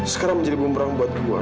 sekarang menjadi bumerang buat gue